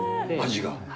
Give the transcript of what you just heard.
味が？